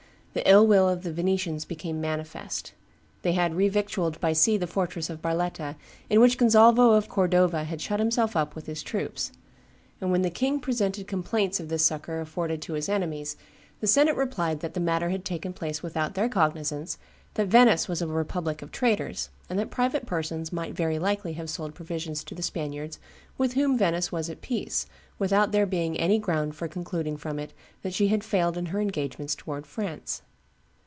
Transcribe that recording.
The ill will of the Venetians became manifest. They had re victualled by sea the fortress of Barletta, in which Gonzalvo of Cordova had shut himself up with his troops; "and when the king presented complaints of this succor afforded to his enemies, the senate replied that the matter had taken place without their cognizance, that Venice was a republic of traders, and that private persons might very likely have sold provisions to the Spaniards, with whom Venice was at peace, without there being any ground for concluding from it that she had failed in her engagements towards France.